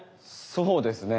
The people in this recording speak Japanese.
そうですね。